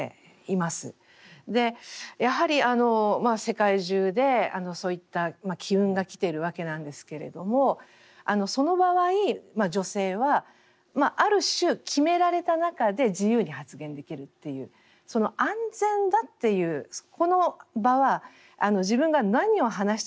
やはり世界中でそういった機運が来てるわけなんですけれどもその場合女性はある種決められた中で自由に発言できるっていうその安全だっていうこの場は自分が何を話しても安全なんだと。